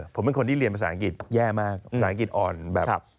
ผมเป็นคนที่เรียนภาษาอังกฤษแย่มากภาษาอังกฤษอ่อนแบบ